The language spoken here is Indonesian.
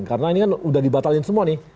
karena ini kan sudah dibatalkan semua nih